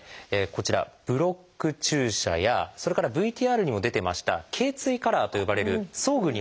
こちらブロック注射やそれからＶＴＲにも出てました「頚椎カラー」と呼ばれる装具による固定が。